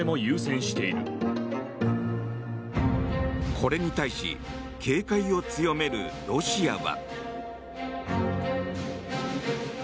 これに対し警戒を強めるロシアは。